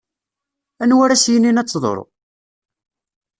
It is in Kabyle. Anwa ara s-yinin ad teḍṛu?